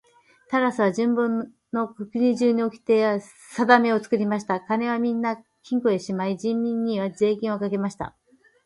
タラスは自分の国中におきてやさだめを作りました。金はみんな金庫へしまい、人民には税金をかけました。